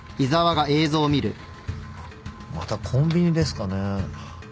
またコンビニですかね。